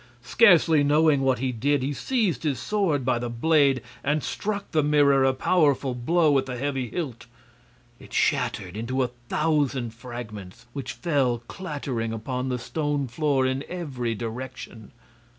Scarcely knowing what he did, he seized his sword by the blade and struck the mirror a powerful blow with the heavy hilt. It shattered into a thousand fragments, which fell clattering upon the stone floor in every direction.